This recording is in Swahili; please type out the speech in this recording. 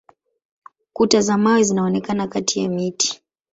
Kuta za mawe zinaonekana kati ya miti.